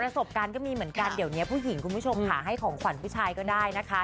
สบการณ์ก็มีเหมือนกันเดี๋ยวนี้ผู้หญิงคุณผู้ชมค่ะให้ของขวัญผู้ชายก็ได้นะคะ